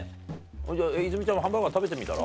じゃあ泉ちゃんハンバーガー食べてみたら。